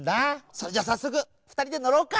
それじゃさっそくふたりでのろうか！